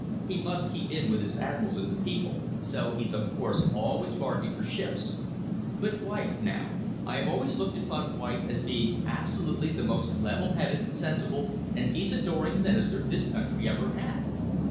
He must keep in with his admirals and the people, so of course he's always barking for ships. But White, now. I have always looked upon White as being absolutely the most level headed, sensible, and peace adoring Minister this country ever had."